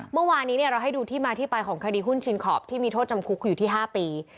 เมื่อวานนี้เราให้ดูที่มาที่ไปของคดีหุ้นชินขอบที่มีโทษจำคุกคืออยู่ที่๕ปี